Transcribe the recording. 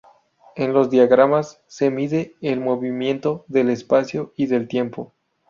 En los diagramas se mide el movimiento del espacio y del tiempo.